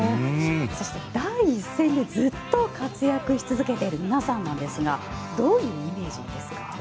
そして、第一線でずっと活躍し続けている皆さんですがどういうイメージですか？